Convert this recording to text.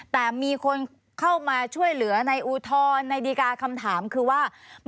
แต่มีคนเข้ามาช่วยเหลือในอุทธรณ์ในดีการ์คำถามคือว่า